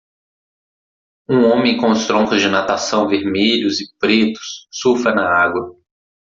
Um homem com os troncos de natação vermelhos e pretos surfa na água.